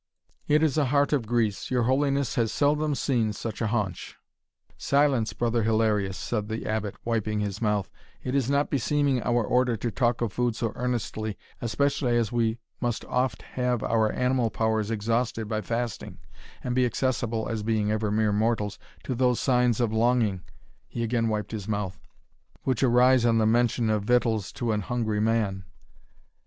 It is a hart of grease your holiness has seldom seen such a haunch." "Silence, Brother Hilarius," said the Abbot, wiping his mouth; "it is not beseeming our order to talk of food so earnestly, especially as we must oft have our animal powers exhausted by fasting, and be accessible (as being ever mere mortals) to those signs of longing" (he again wiped his mouth) "which arise on the mention of victuals to an hungry man.